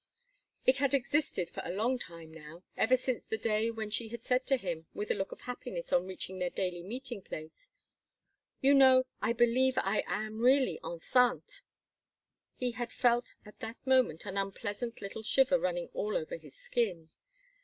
It had existed for a long time now, ever since the day when she had said to him with a look of happiness on reaching their daily meeting place: "You know, I believe I am really enceinte." He had felt at that moment an unpleasant little shiver running all over his skin.